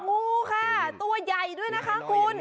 งูค่ะตัวใหญ่ด้วยนะคะคุณ